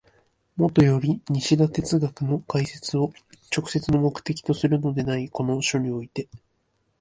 もとより西田哲学の解説を直接の目的とするのでないこの書において、